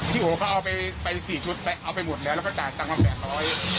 พี่โอเค้าเอาไปไปสี่ชุดเอาไปหมดแล้วก็จ่ายตังความแปดของร้อย